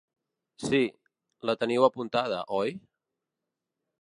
Si, la teniu apuntada oi?